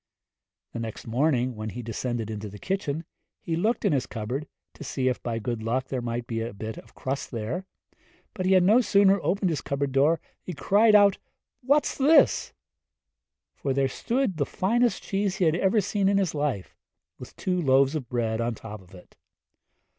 The next morning, when he descended into the kitchen, he looked in his cupboard, to see if by good luck there might be a bit of crust there. He had no sooner opened the cupboard door than he cried out, 'O'r anwyl! what's this?' for there stood the finest cheese he had ever seen in his life, with two loaves of bread on top of it.